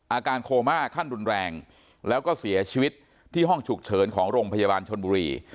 อาการโคม่าขั้นรุนแรงแล้วก็เสียชีวิตที่ห้องฉุกเฉินของโรงพยาบาลชนบุรี